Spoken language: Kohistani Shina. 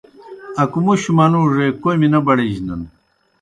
اکمُشوْ منُوڙے کوْمی نہ بڑِجنَن۔